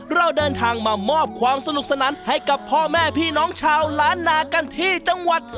เราเดินทางมามอบความสนุกสนานให้กับพ่อแม่พี่น้องชาวล้านนากันที่จังหวัด